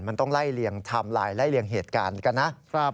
มันต้องไล่เลี่ยงไทม์ไลน์ไล่เลี่ยงเหตุการณ์กันนะ